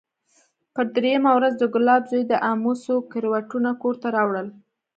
پر درېيمه ورځ د ګلاب زوى د امو څو کرېټونه کور ته راوړل.